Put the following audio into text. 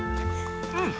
うん。